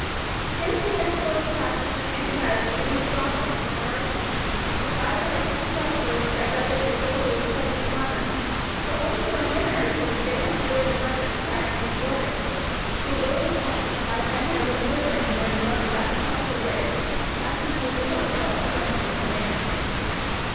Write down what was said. Scarcely had the swords clashed when the man who had chained down the drawbridge joined Archie, and the five with their heavy broadswords kept at bay the soldiers who pressed upon them; but for only a minute or two did they have to bear the brunt of the attack unsupported, for William Orr and the five men who had been loitering near the moat dashed across the bridge, and passing under the portcullis joined the little band.